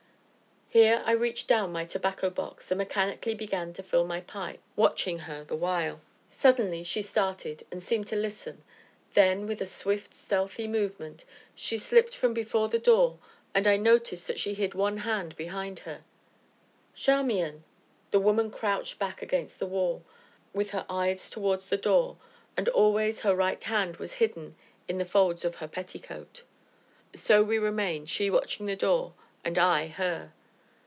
Here I reached down my tobacco box and mechanically began to fill my pipe, watching her the while. Suddenly she started, and seemed to listen. Then, with a swift, stealthy movement, she slipped from before the door, and I noticed that she hid one hand behind her. "Charmian!" The woman crouched back against the wall, with her eyes towards the door, and always her right hand was hidden in the folds of her petticoat. So we remained, she watching the door, and I, her.